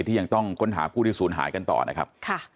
ที่ยังต้องค้นหาผู้ที่ศูนย์หายกันต่อนะครับ